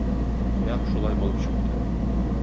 Нәкъ шулай булып чыкты.